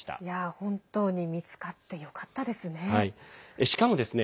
本当に見つかってよかったですね。